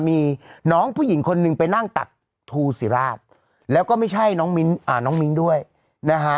มีน้องผู้หญิงคนหนึ่งไปนั่งตักทูศิราชแล้วก็ไม่ใช่น้องมิ้งด้วยนะฮะ